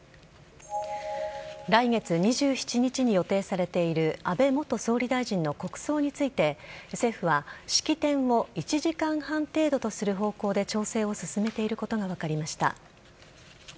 来月２７日に予定されている安倍元総理大臣の国葬について政府は式典を１時間半程度とする方向で調整を進めていることが分かりました。